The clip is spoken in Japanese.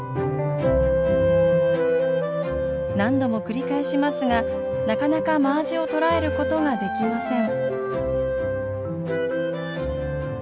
何度も繰り返しますがなかなかマアジを捕らえることができません。